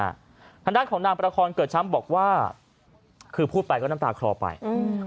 แล้วเนี่ยคำสั่งของนางประคอร์นเกิดช้ำบอกว่าคือพูดไปก็น้ำตาครอบใบอืม